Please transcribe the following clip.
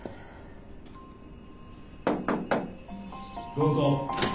・どうぞ。